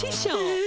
え？